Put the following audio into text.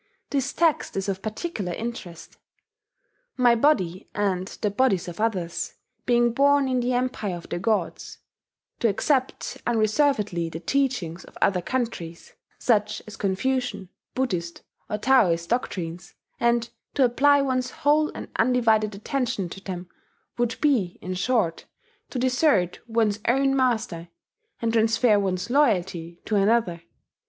This text is of particular interest: "My body, and the bodies of others, being born in the Empire of the Gods, to accept unreservedly the teachings of other countries, such as Confucian, Buddhist, or Taoist doctrines, and to apply one's whole and undivided attention to them, would be, in short, to desert one's own master, and transfer one's loyalty to another.